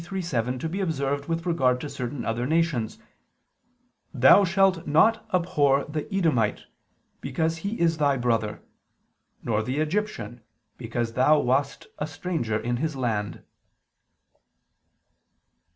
23:7) to be observed with regard to certain other nations: "Thou shalt not abhor the Edomite, because he is thy brother; nor the Egyptian because thou wast a stranger in his land."